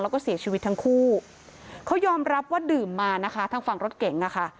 แล้วก็เสียชีวิตทั้งคู่เขายอมรับว่าดื่มมานะคะทางฝั่งรถเก๋งอ่ะค่ะ